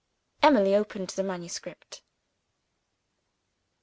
Emily opened the manuscript.